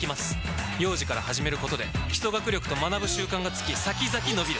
幼児から始めることで基礎学力と学ぶ習慣がつき先々のびる！